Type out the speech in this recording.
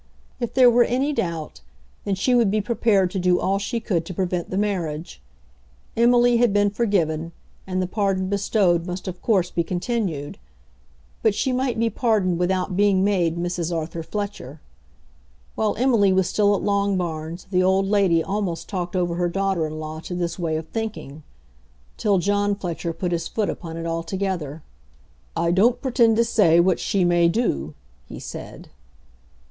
If there were any doubt, then she would be prepared to do all she could to prevent the marriage. Emily had been forgiven, and the pardon bestowed must of course be continued. But she might be pardoned without being made Mrs. Arthur Fletcher. While Emily was still at Longbarns the old lady almost talked over her daughter in law to this way of thinking, till John Fletcher put his foot upon it altogether. "I don't pretend to say what she may do," he said.